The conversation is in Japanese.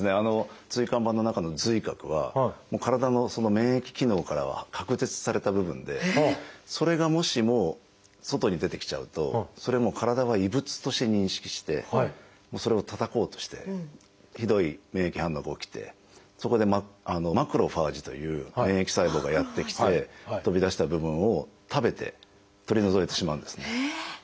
椎間板の中の髄核は体の免疫機能からは隔絶された部分でそれがもしも外に出てきちゃうとそれもう体が異物として認識してそれをたたこうとしてひどい免疫反応が起きてそこで「マクロファージ」という免疫細胞がやって来て飛び出した部分を食べて取り除いてしまうんですね。